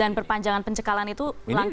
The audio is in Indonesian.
dan perpanjangan pencekalan itu